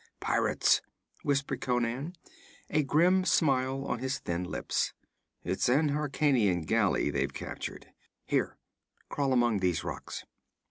'Pirates!' whispered Conan, a grim smile on his thin lips. 'It's an Hyrkanian galley they've captured. Here crawl among these rocks.